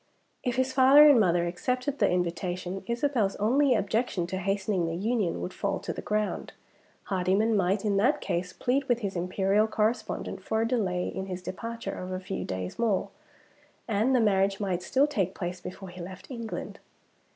If his father and mother accepted the invitation, Isabel's only objection to hastening the union would fall to the ground. Hardyman might, in that case, plead with his Imperial correspondent for a delay in his departure of a few days more; and the marriage might still take place before he left England.